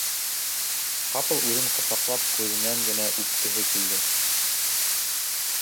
Ҡапыл үҙен ҡосаҡлап күҙенән генә үпкеһе килде.